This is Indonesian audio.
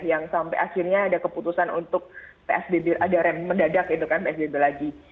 yang sampai akhirnya ada keputusan untuk psbb ada rem mendadak itu kan psbb lagi